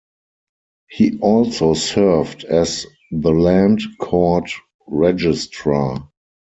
He also served as the Land Court Registrar.